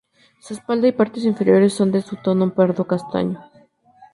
Su espalda y partes inferiores son de un tono pardo castaño.